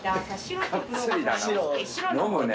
飲むね。